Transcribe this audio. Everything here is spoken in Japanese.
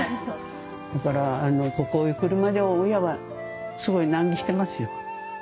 だからここへ来るまで親はすごい難儀してますよ。